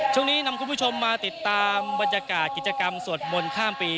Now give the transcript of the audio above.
ช่วงนี้นำคุณผู้ชมมาติดตามบรรยากาศกิจกรรมสวดมนต์ข้ามปี